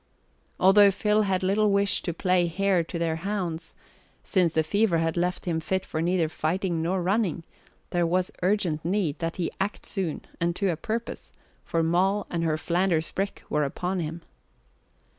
Although Phil had little wish to play hare to their hounds, since the fever had left him fit for neither fighting nor running, there was urgent need that he act soon and to a purpose, for Moll and her Flanders brick were upon him.